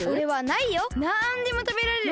なんでもたべられる。